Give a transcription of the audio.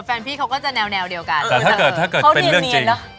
แฟนพี่เขาก็จะแนวเดียวกันแต่ถ้าเกิดเป็นเรื่องจริง